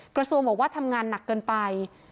กระทรวงบอกว่าทำงานหนักเกินไป